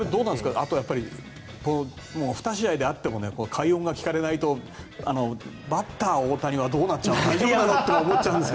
あとは２試合であっても快音が聞かれないとバッター・大谷はどうなっちゃうのかなと思うんですが。